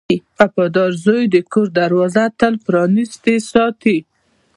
• وفادار زوی د کور دروازه تل پرانستې ساتي.